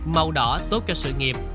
màu đỏ tốt cho sự nghiệp